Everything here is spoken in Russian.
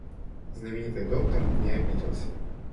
Знаменитый доктор не обиделся.